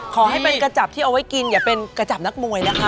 ขอให้เป็นกระจับที่เอาไว้กินอย่าเป็นกระจับนักมวยนะคะ